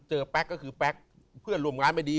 เจ้าแป๊กก็คือเพื่อนร่วมงานไม่ดี